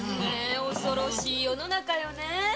恐ろしい世の中よね。